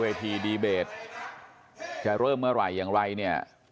ทีดีเบตจะเริ่มเมื่อไหร่อย่างไรเนี่ย